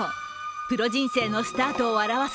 プロ人生のスタートを表す